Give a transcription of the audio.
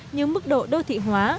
như mức độ đô thị hóa